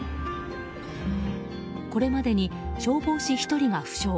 これまでに消防士１人が負傷。